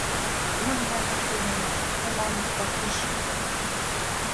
Maqanakuyanqantraw umanta pakiyashqa.